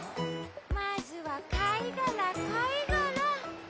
まずはかいがらかいがら。